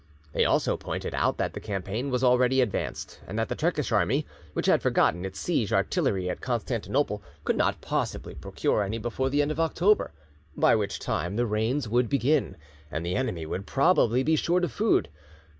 They also pointed out that the campaign was already advanced, and that the Turkish army, which had forgotten its siege artillery at Constantinople, could not possibly procure any before the end of October, by which time the rains would begin, and the enemy would probably be short of food.